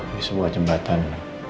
di sebuah jembatan